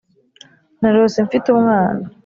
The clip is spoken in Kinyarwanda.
Narose mfite umwana